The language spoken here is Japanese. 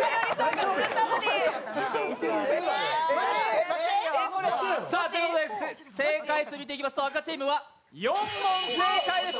正解は「誰が笑うねん！」正解数を見ていきますと、赤チームは４問正解でした。